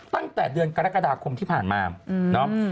ตั้งแต่เดือนกรกฎาคมที่ผ่านมาเนาะ